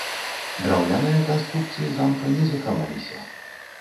Драўляныя канструкцыі замка не захаваліся.